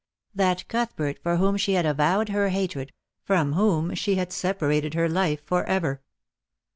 That Cuthbert for whom she had avowed her hatred, from whom she had separated her life for ever.